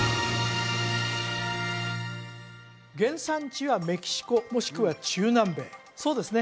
原産地はメキシコもしくは中南米そうですね